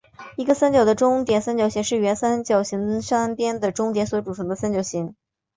一个三角形的中点三角形是原三角形的三边的中点所组成的三角形。